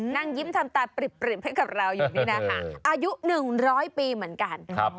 นั่งยิ้มทำตาปริบปริบให้กับเราอยู่นี่นะคะอายุหนึ่งร้อยปีเหมือนกันครับ